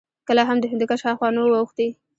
کله هم د هندوکش هاخوا نه وو اوښتي